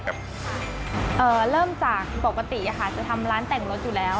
เริ่มจากปกติค่ะจะทำร้านแต่งรถอยู่แล้ว